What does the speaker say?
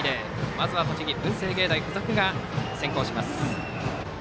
まずは栃木・文星芸大付属が先行します。